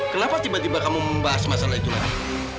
kenapa tiba tiba kamu membahas masalah itu lagi